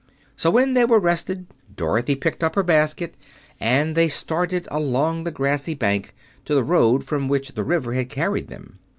So, when they were rested, Dorothy picked up her basket and they started along the grassy bank, to the road from which the river had carried them.